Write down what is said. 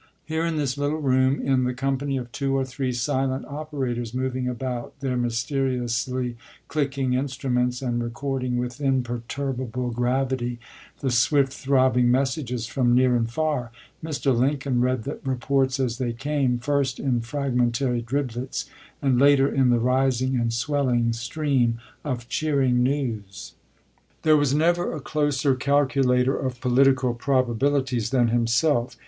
Here in this little room, in the com pany of two or three silent operators moving about their mysteriously clicking instruments, and re cording with imperturbable gravity the swift throbbing messages from near and far, Mr. Lincoln read the reports as they came, first in fragment ary dribblets, and later in the rising and swelling stream of cheering news. 346 ABRAHAM LINCOLN ch. xxn. There was never a closer calculator of political probabilities than himself.